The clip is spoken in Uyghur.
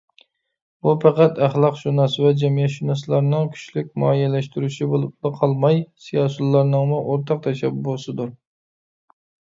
بۇ پەقەت ئەخلاقشۇناس ۋە جەمئىيەتشۇناسلارنىڭ كۈچلۈك مۇئەييەنلەشتۈرۈشى بولۇپلا قالماي سىياسىيونلارنىڭمۇ ئورتاق تەشەببۇسىدۇر.